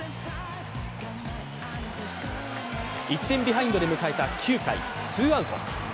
１点ビハインドで迎えた９回ツーアウト。